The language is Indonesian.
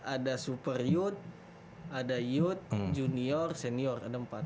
ada super youth ada youth junior senior ada empat